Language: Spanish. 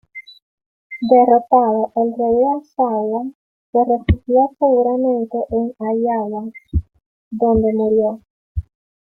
Derrotado el rey de Arzawa, se refugió seguramente en Ahhiyawa donde murió.